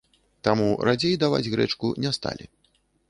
Таму радзей даваць грэчку не сталі.